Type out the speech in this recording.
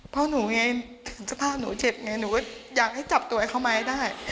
เพราะหนูไงถึงสภาพหนูเจ็บไงหนูก็อยากให้จับตัวเขามาให้ได้